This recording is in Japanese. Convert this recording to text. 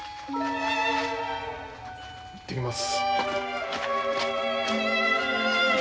行ってきます。